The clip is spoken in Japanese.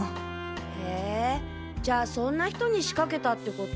へじゃあそんな人に仕掛けたってこと？